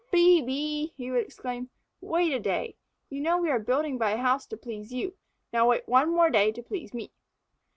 "Phœbe!" he would exclaim. "Wait a day. You know we are building by a house to please you, now wait one more day to please me."